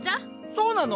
そうなの？